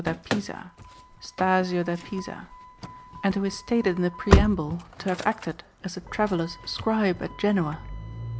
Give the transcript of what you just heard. da Pisa, Stazio da Pisa, and who is stated in the preamble to have acted as the Traveller's scribe at Genoa.